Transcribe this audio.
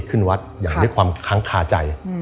ขึ้นวัดอย่างด้วยความค้างคาใจ